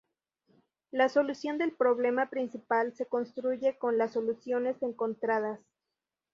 La solución del problema principal se construye con las soluciones encontradas.